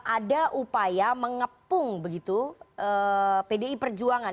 ada upaya mengepung begitu pdi perjuangan